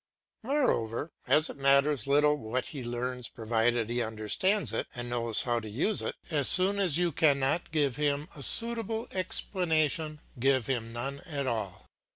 Moreover, as it matters little what he learns provided he understands it and knows how to use it, as soon as you cannot give him a suitable explanation give him none at all.